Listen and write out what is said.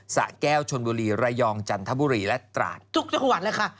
สะแก้วชนบุรีระยองจันทบุรีและตราดทุกจังหวัดเลยค่ะ